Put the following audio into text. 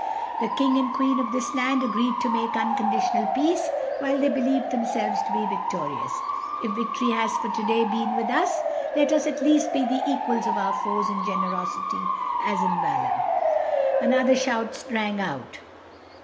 The King and Queen of this land agreed to make unconditional peace while they believed themselves to be victorious. If victory has for today been with us, let us at least be the equals of our foes in generosity as in valor." Another shout rang out.